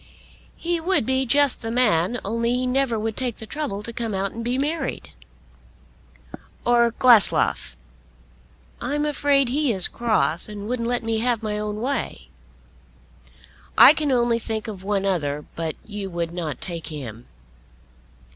"He would be just the man, only he never would take the trouble to come out and be married." "Or Glasslough?" "I'm afraid he is cross, and wouldn't let me have my own way." "I can only think of one other; but you would not take him."